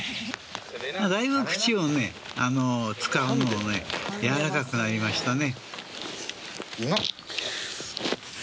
だいぶ口を使うのもねやわらかくなりましたね。